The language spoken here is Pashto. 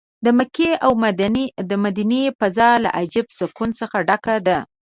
د مکې او مدینې فضا له عجب سکون څه ډکه ده.